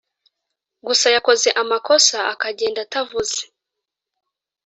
gusa yakoze amakosa akagenda atavuze